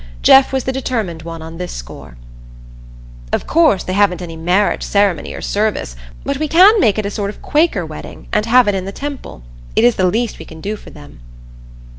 Jeff was the determined one on this score. "Of course they haven't any marriage ceremony or service, but we can make it a sort of Quaker wedding, and have it in the temple it is the least we can do for them."